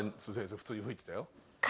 普通に吹いてたよ。